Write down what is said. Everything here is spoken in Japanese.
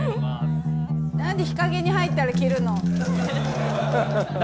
何で日陰に入ったら着るの？